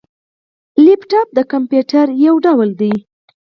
لیپټاپ د کمپيوټر یو ډول دی